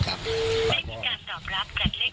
ไม่มีการตอบรับ